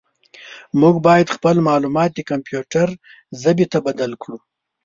موږ باید خپل معلومات د کمپیوټر ژبې ته بدل کړو.